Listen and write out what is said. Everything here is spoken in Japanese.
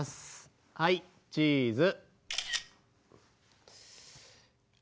はいチーズ。